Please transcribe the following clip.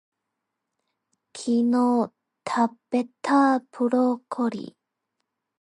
昨日たべたブロッコリー